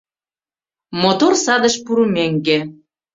Мотор садыш пурымеҥге